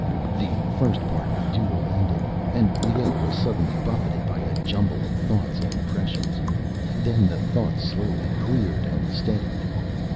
The first part of the duel ended, and Leoh was suddenly buffeted by a jumble of thoughts and impressions. Then the thoughts slowly cleared and steadied.